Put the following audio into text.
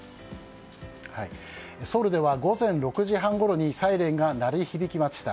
ソウルでは午前６時半ごろにサイレンが鳴り響きました。